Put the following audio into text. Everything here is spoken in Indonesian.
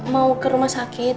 mau ke rumah sakit